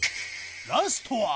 ラストは？